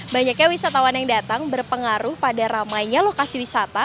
banyaknya wisatawan yang datang berpengaruh pada ramainya lokasi wisata